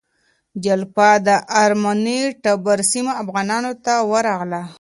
جلفا د ارمني ټبر سیمه افغانانو ته ورغله.